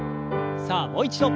さあもう一度。